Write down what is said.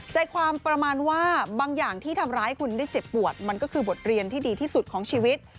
ใจความประมาณว่าบางอย่างที่ทำร้ายคุณได้เจ็บปวดมันก็คือบทเรียนที่ดีที่สุดของชีวิต